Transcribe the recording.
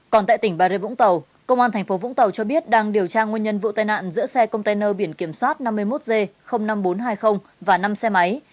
còn tại tỉnh bà rê vũng tàu công an tp vũng tàu cho biết đang điều tra nguyên nhân vụ tai nạn giữa xe container biển kiểm soát năm mươi một g năm nghìn bốn trăm hai mươi và năm xe máy